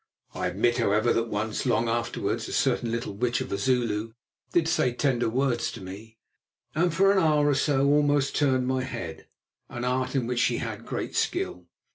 I admit, however, that once, long afterwards, a certain little witch of a Zulu did say tender words to me, and for an hour or so almost turned my head, an art in which she had great skill.